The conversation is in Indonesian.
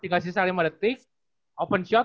tinggal sisa lima detik open shot